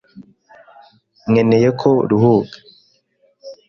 nkeneye ko uruhuka.